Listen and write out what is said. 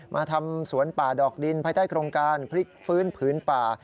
มาทำสวนป่าดอกดินภายใต้โครงการพลิกฟื้นผืนป่า